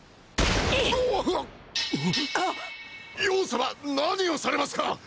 葉様何をされますか！